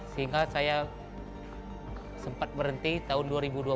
sehingga saya sempat berhenti tahun dua ribu dua puluh